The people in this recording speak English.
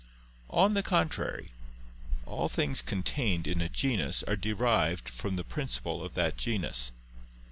On the contrary, All things contained in a genus are derived from the principle of that genus.